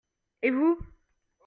Et vous ?